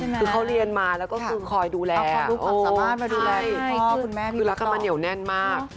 คือเขาเรียนมาแล้วก็คือคอยดูแลคือรักกำลังเหนียวแน่นมาก